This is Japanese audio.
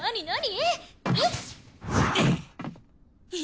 何？